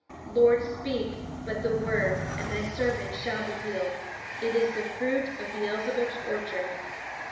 Lord, speak but the word, and Thy servant shall be healed." It is the fruit of Beelzebub's orchard.